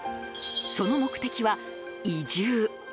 その目的は、移住。